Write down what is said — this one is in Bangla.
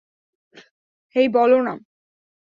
হেই, বলরাম?